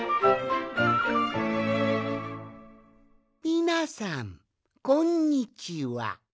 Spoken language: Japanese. みなさんこんにちは。